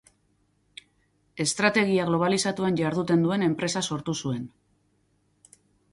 Estrategia globalizatuan jarduten duen enpresa sortu zuen.